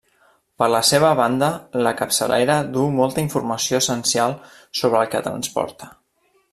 Per la seva banda, la capçalera duu molta informació essencial sobre el que transporta.